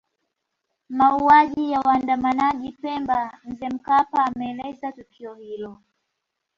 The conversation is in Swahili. Mauaji ya waandamanaji Pemba Mzee Mkapa ameeleza tukio hilo